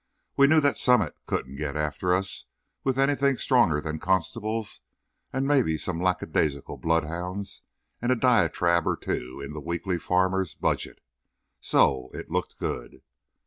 We knew that Summit couldn't get after us with anything stronger than constables and maybe some lackadaisical bloodhounds and a diatribe or two in the Weekly Farmers' Budget. So, it looked good.